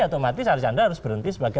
otomatis archandra harus berhenti sebagai